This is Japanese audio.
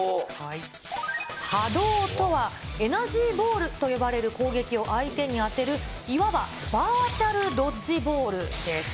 ハドーとは、エナジーボールと呼ばれる攻撃を相手に当てる、いわばバーチャルドッジボールです。